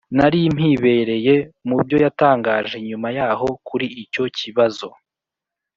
nari mpibereye.» mu byo yatangaje nyuma yaho kuri icyo kibazo